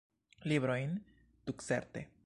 Librojn, tutcerte.